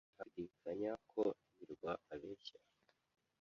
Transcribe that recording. Nta gushidikanya ko hirwa abeshya.